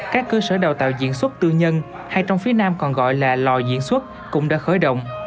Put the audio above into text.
các cơ sở đào tạo diễn xuất tư nhân hay trong phía nam còn gọi là lò diễn xuất cũng đã khởi động